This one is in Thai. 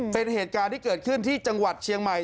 เป็นเหตุการณ์ที่เกิดขึ้นที่จังหวัดเชียงใหม่